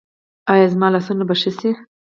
ایا زما لاسونه به ښه شي؟